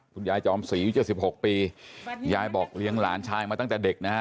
จอมศรียุค๗๖ปียายบอกเลี้ยงหลานชายมาตั้งแต่เด็กนะฮะ